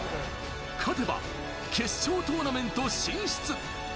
勝てば決勝トーナメント進出。